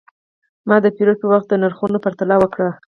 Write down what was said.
ما د پیرود پر وخت د نرخونو پرتله وکړه.